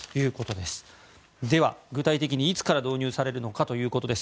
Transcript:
では、具体的にいつから導入されるのかということです。